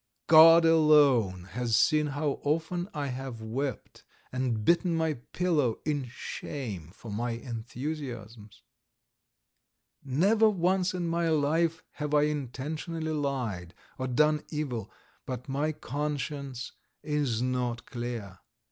God alone has seen how often I have wept and bitten my pillow in shame for my enthusiasms. Never once in my life have I intentionally lied or done evil, but my conscience is not clear!